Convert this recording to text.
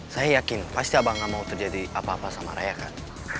saya yakin pasti abang nggak mau terjadi apa apa sama raya kan